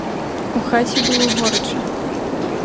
У хаце было горача.